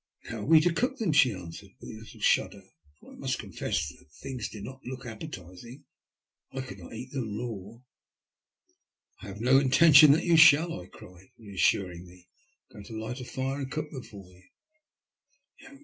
" But how are we to cook them ?" she answered, with a little shudder, for I must confess the things did not look appetising. " I could not eat them raw." " I have no intention that you shall," I cried, re assuringly. ''I am going to light a fire and cook them for you."